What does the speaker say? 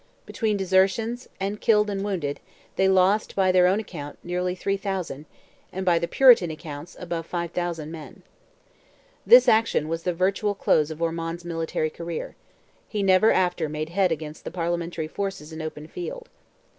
Between desertions, and killed and wounded, they lost, by their own account, nearly 3,000, and by the Puritan accounts, above 5,000 men. This action was the virtual close of Ormond's military career; he never after made head against the Parliamentary forces in open field.